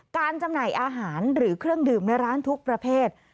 จำหน่ายอาหารหรือเครื่องดื่มในร้านทุกประเภท